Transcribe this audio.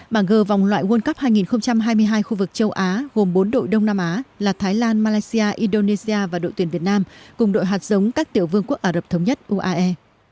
bảng g vòng loại world cup hai nghìn hai mươi hai khu vực châu á gồm bốn đội đông nam á là thái lan malaysia indonesia và đội tuyển việt nam cùng đội hạt giống các tiểu vương quốc ả rập thống nhất uae